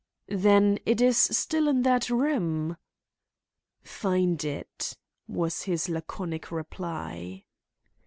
"Then it is still in that room?" "Find it," was his laconic reply.